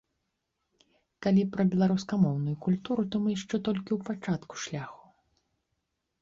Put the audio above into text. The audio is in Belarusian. Калі пра беларускамоўную культуру, то мы яшчэ толькі ў пачатку шляху.